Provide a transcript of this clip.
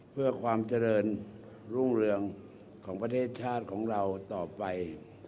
เพื่อความเจริญรุ่งเรืองของประเทศชาติของเราต่อไป